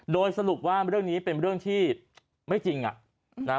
โดยสรุปว่าเรื่องนี้เป็นเรื่องที่ไม่จริงอ่ะนะฮะ